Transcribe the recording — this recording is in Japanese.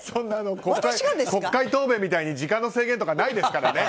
国会答弁みたいに時間の制限とかないですから。